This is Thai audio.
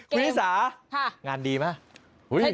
คุณวิสางานดีมาก